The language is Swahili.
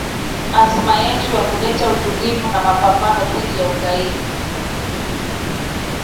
azma yetu ya kuleta utulivu na mapambano dhidi ya ugaidi